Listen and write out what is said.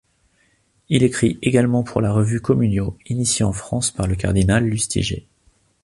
Il écrit également pour la revue Communio, initiée en France par le Cardinal Lustiger.